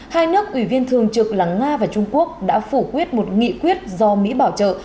hai nước ủy viên thường trực là nga và trung quốc đã phủ quyết một nghị quyết do mỹ bảo trợ